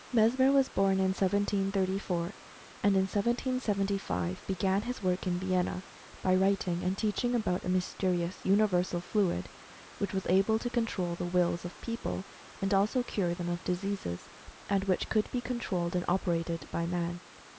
Mesmer was born in 1734, and in 1775 began his work in Vienna by writing and teaching about a mys terious "universal fluid" which was able to control the wills of people, and also cure them of diseases, and which could be controlled and operated by man.